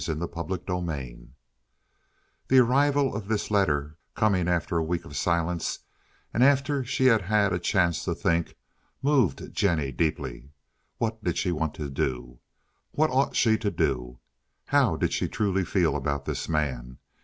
CHAPTER XXI The arrival of this letter, coming after a week of silence and after she had had a chance to think, moved Jennie deeply. What did she want to do? What ought she to do? How did she truly feel about this man?